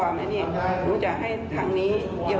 นนนี่ไงครับ